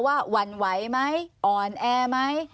หวั่นไหวไหมอ่อนแอไหม